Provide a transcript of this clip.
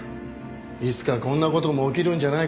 いつかこんな事も起きるんじゃないかと思ってました。